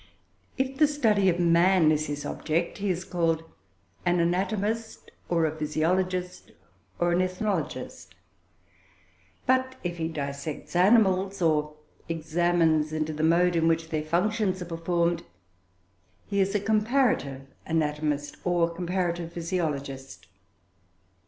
If the study of man is his object, he is called an anatomist, or a physiologist, or an ethnologist; but if he dissects animals, or examines into the mode in which their functions are performed, he is a comparative anatomist or comparative physiologist.